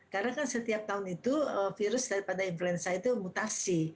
karena kan setiap tahun itu virus daripada influenza itu mutasi